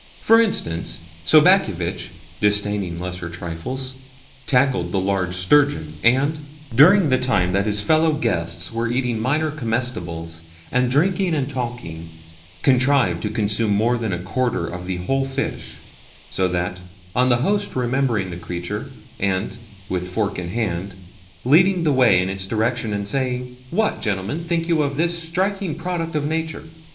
For instance, Sobakevitch, disdaining lesser trifles, tackled the large sturgeon, and, during the time that his fellow guests were eating minor comestibles, and drinking and talking, contrived to consume more than a quarter of the whole fish; so that, on the host remembering the creature, and, with fork in hand, leading the way in its direction and saying, "What, gentlemen, think you of this striking product of nature?"